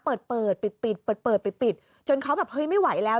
เปิดปิดจนเขาแบบไม่ไหวแล้ว